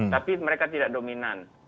tapi mereka tidak dominan